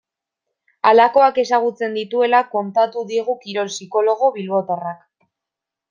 Halakoak ezagutzen dituela kontatu digu kirol psikologo bilbotarrak.